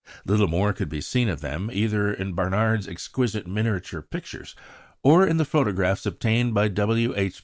Little more could be seen of them either in Barnard's exquisite miniature pictures, or in the photographs obtained by W. H.